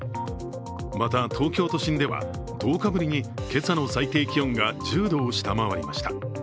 また東京都心では１０日ぶりに今朝の最低気温が１０度を下回りました。